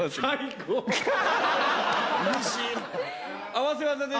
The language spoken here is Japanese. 合わせ技で。